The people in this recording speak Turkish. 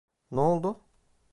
Ne oldu?